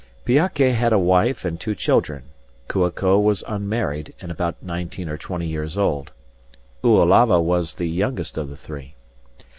Piake had a wife and two children; Kua ko was unmarried and about nineteen or twenty years old; Oalava was the youngest of the three.